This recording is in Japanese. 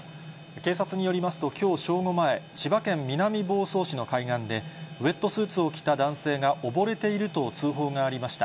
警察によりますと、きょう正午前、千葉県南房総市の海岸で、ウエットスーツを着た男性が溺れていると通報がありました。